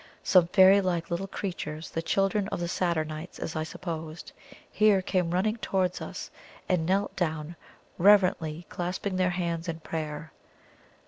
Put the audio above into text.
Some fairy like little creatures, the children of the Saturnites, as I supposed, here came running towards us and knelt down, reverently clasping their hands in prayer.